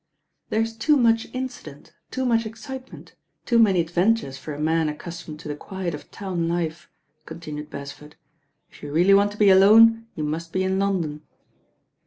"There's too much incident, too much excitement, too many adventures for a man accustomed to the quiet of town life," continued Beresford. "If you really want to be alone you must be in London."